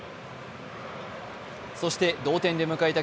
そして同点で迎えた